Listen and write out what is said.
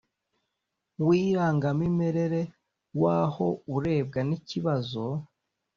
w irangamimerere w aho urebwa n ikibazo